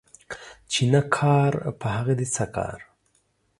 چي نه کار په هغه دي څه کار.